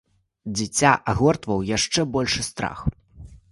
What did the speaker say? Дзіця агортваў яшчэ большы страх.